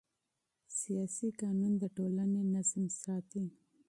سیاسي قانون د ټولنې نظم ساتي